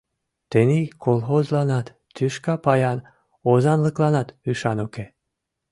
Тений колхозланат, тӱшка паян озанлыкланат ӱшан уке.